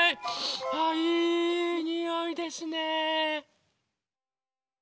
あいいにおいですね。